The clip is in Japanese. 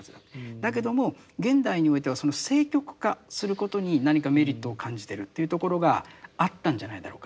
だけども現代においてはその政局化することに何かメリットを感じてるというところがあったんじゃないだろうか。